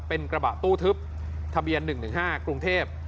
เป็นกระบะตู้ทึบทะเบียน๑๑๕กรุงเทพ